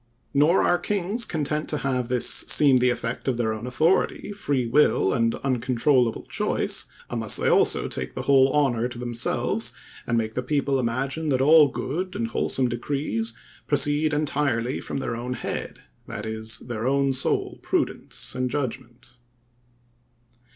Nor are kings content to have this seem the effect of their own authority, free will, and uncontrollable choice, unless they also take the whole honor to themselves, and make the people imagine that all good and wholesome decrees proceed entirely from their own head, that is, their own sole prudence and judgment.